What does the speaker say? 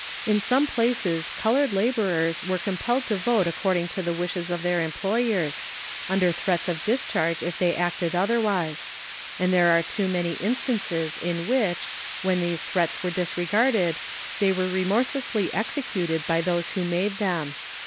In some places colored laborers were compelled to vote according to the wishes of their employers, under threats of discharge if they acted otherwise; and there are too many instances in which, when these threats were disregarded, they were remorselessly executed by those who made them.